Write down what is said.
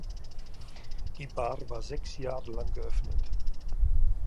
Die Bar war sechs Jahre lang geöffnet.